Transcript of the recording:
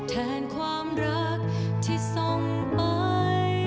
แทนความรักที่ทรงไป